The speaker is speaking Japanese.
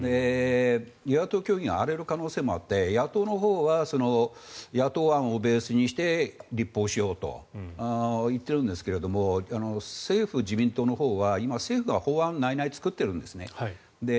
与野党協議が荒れる可能性もあって野党のほうは野党案をベースにして立法しようと言っているんですが政府・自民党のほうは今、政府が法案を内々に作っているんですね。